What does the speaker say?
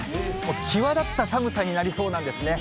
際立った寒さになりそうなんですね。